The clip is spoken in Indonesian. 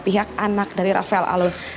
pihak anak dari rafael alun